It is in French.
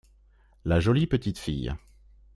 La jolie petite fille.